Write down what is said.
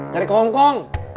cari ke hongkong